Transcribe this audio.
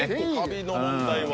カビの問題は。